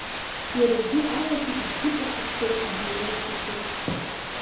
Иара убри алагьы исгәыҵасыҳәҳәеит адунеи зегьы.